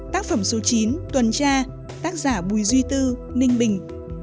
tác phẩm số chín tuần tra tác giả bùi duy tư ninh bình